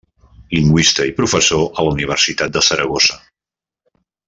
Lingüista i professor a la Universitat de Saragossa.